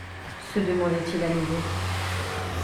Se demandait-il à nouveau.